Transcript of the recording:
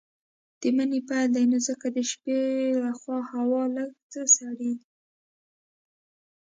د مني پيل دی نو ځکه د شپې لخوا هوا لږ څه سړييږي.